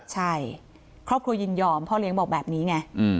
ใช่ครอบครัวยินยอมพ่อเลี้ยงบอกแบบนี้ไง